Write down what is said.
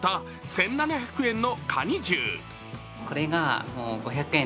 １７００円のカニ重。